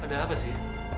ada apa sih